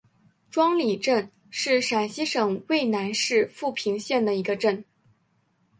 庄里镇是陕西省渭南市富平县的一个镇。